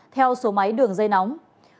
theo số máy đường dây nóng